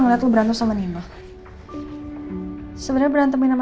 setelah mizun bisa semakin hati dirimu